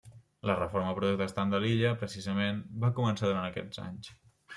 La reforma protestant de l'illa, precisament, va començar durant aquests anys.